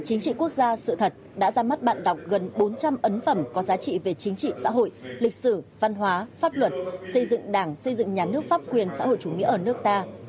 chính trị quốc gia sự thật đã ra mắt bạn đọc gần bốn trăm linh ấn phẩm có giá trị về chính trị xã hội lịch sử văn hóa pháp luật xây dựng đảng xây dựng nhà nước pháp quyền xã hội chủ nghĩa ở nước ta